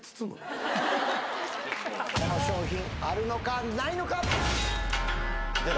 この商品あるのかないのか？